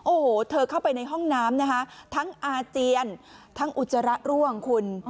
โอ้โหเธอเข้าไปในห้องน้ำนะคะทั้งอาเจียนทั้งอุจจาระร่วงคุณ